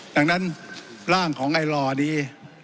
ดังนั้นร่างของไอลอร์นี้